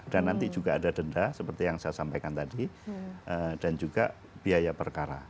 dan nanti juga ada denda seperti yang saya sampaikan tadi dan juga biaya perkara